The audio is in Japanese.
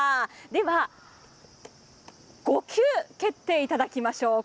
では、５球蹴っていただきましょう。